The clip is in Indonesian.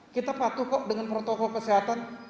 kita patuh kok dengan protokol kesehatan